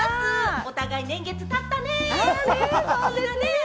お互い、年月経ったね。